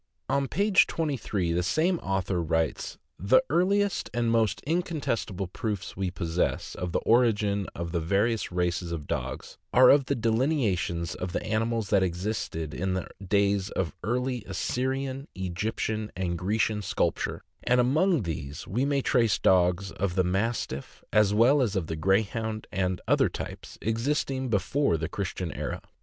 On page 23 the same author writes: "The earliest and most incontestible proofs we possess of the origin of the various races of dogs are the delineations of the animals that existed in the days of early Assyrian, Egyptian, and Grecian sculpture, and among these we may trace dogs of the Mastiff, as well as the Grey hound and other types, existing before the Christian era.